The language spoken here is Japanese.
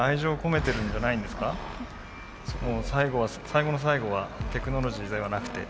最後の最後はテクノロジーではなくて。